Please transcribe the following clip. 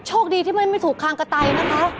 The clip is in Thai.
โชคดีที่มันไม่ถูกคางกระตัยนะคะ